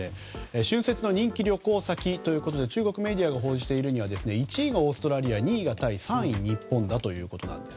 春節の人気旅行先ということで中国メディアが報じているのは１位がオーストラリア２位がタイ３位、日本ということなんです。